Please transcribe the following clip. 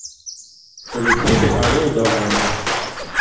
Полетели орел да ворон.